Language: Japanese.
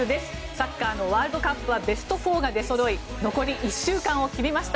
サッカーのワールドカップはベスト４が出そろい残り１週間を切りました。